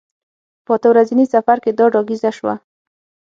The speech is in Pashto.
په اته ورځني سفر کې دا ډاګیزه شوه.